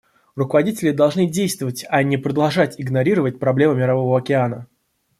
Руководители должны действовать, а не продолжать игнорировать проблемы Мирового океана.